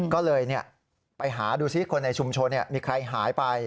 ก็เลยเนี่ยไปหาดูซิคนในชุมชนเนี่ยมีใครหายไป